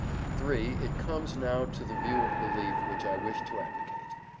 (3) I come now to the view of belief which I wish to advocate.